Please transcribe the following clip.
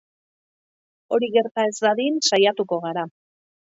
Hori gerta ez dadin saiatuko gara.